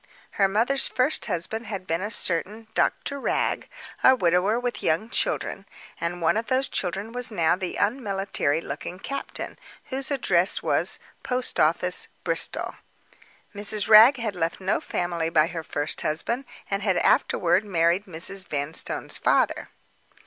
Her mother's first husband had been a certain Doctor Wragge—a widower with young children; and one of those children was now the unmilitary looking captain, whose address was "Post office, Bristol." Mrs. Wragge had left no family by her first husband; and had afterward married Mrs. Vanstone's father.